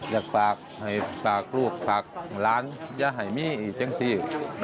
อยากฝากให้ฝากลูกฝากหลานอย่าให้มีอีกจังสิ